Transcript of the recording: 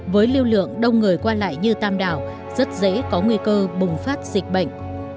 với lưu lượng đông người qua lại như tam đảo rất dễ có nguy cơ bùng phát dịch bệnh